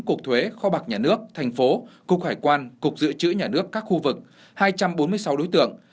cục thuế kho bạc nhà nước thành phố cục hải quan cục dự trữ nhà nước các khu vực hai trăm bốn mươi sáu đối tượng